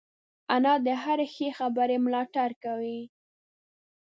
انا د هرې ښې خبرې ملاتړ کوي